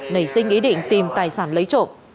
nảy sinh ý định tìm tài sản lấy trộm